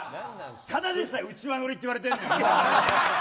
ただでさえ、内輪ノリっていわれてるんだよ。